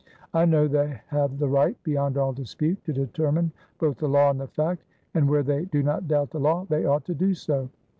I know they have the right, beyond all dispute, to determine both the law and the fact, and where they do not doubt the law, they ought to do so."